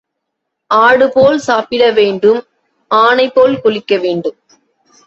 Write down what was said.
ஆடு போல் சாப்பிட வேண்டும் ஆனைபோல் குளிக்க வேண்டும்.